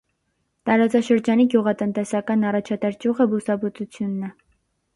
Տարածաշրջանի գյուղատնտեսական առաջատար ճյուղը բուսաբուծությունն է։